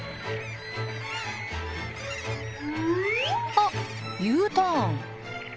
あっＵターン。